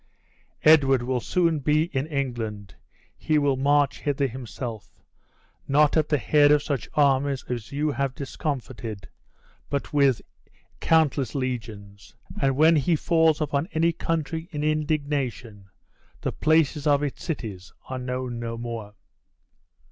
Edward will soon be in England; he will march hither himself; not at the head of such armies as you have discomfited, but with countless legions; and when he falls upon any country in indignation, the places of its cities are known no more."